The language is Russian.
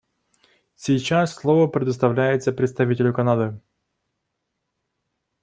Сейчас слово предоставляется представителю Канады.